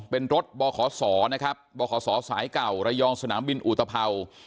เป็นรถบ่อขอสอนะครับบ่อขอสอสายเก่าระยองสนามบินอูตเผ่า